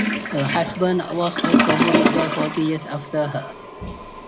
Her husband was also buried there forty years after her.